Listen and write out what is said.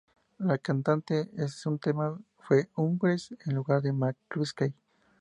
El cantante en este tema fue Humphreys, en lugar de McCluskey.